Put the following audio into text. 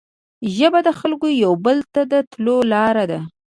ژبه د خلګو یو بل ته د تلو لاره ده